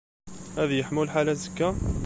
Ad yeḥmu lḥal azekka?